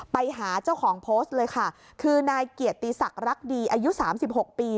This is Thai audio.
ไปหาเจ้าของโพสต์เลยค่ะคือนายเกียรติศักดิ์รักดีอายุ๓๖ปี